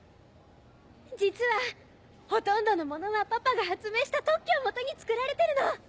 実はほとんどのものはパパが発明した特許を基に作られてるの。